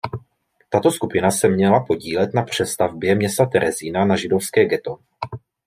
Tato skupina se měla podílet na přestavbě města Terezína na židovské ghetto.